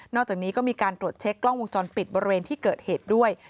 อกจากนี้ก็มีการตรวจเช็คกล้องวงจรปิดบริเวณที่เกิดเหตุด้วย